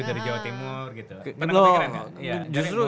dari jawa timur gitu